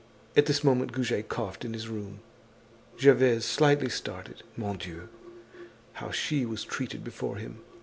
At this moment Goujet coughed in his room. Gervaise slightly started. Mon Dieu! How she was treated before him.